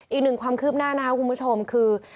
อีกหนึ่งความคืบหน้านะครับคุณผู้ชมคือ